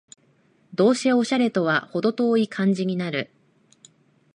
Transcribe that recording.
どうせオシャレとはほど遠い感じになる